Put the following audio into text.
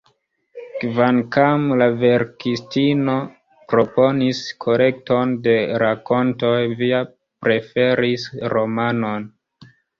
Kvankam la verkistino proponis kolekton de rakontoj, Via preferis romanon.